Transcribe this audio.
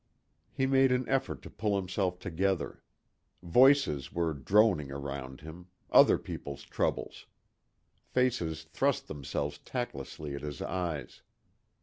He made an effort to pull himself together. Voices were droning around him other people's troubles. Faces thrust themselves tactlessly at his eyes.